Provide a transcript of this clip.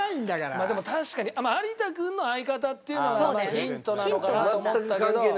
まあでも確かに有田君の相方っていうのがヒントなのかなと思ったけど。